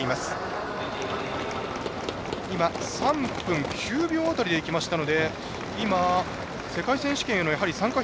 ３分９秒辺りでいきましたので世界選手権の参加